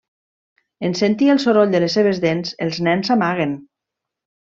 En sentir el soroll de les seves dents, els nens s'amaguen.